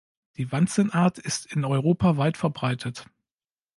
Die Wanzenart ist in Europa weit verbreitet.